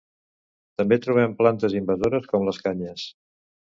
També trobem plantes invasores com les canyes.